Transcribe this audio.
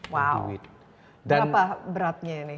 berapa beratnya ini